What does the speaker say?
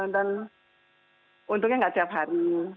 dan untungnya nggak tiap hari